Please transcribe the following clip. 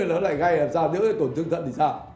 nó lại gây làm sao nếu lại tổn thương thận thì sao